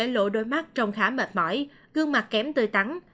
lộ đôi mắt trông khá mệt mỏi gương mặt kém tươi tắn